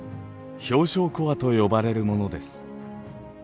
氷床コアと呼ばれるものです。